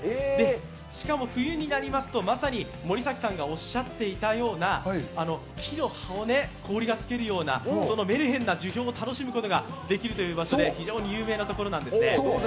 しかも冬になりますと、まさに森崎さんがおっしゃっていたような木の葉を、氷がつけるようなメルヘンな樹氷を楽しむことができるということで非常に有名な場所なんですね。